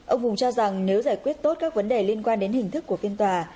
ông hùng cho rằng nếu giải quyết tốt các vấn đề liên quan đến hình thức của phiên tòa